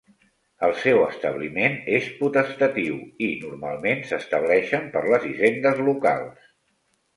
El seu establiment és potestatiu i, normalment, s'estableixen per les Hisendes Locals.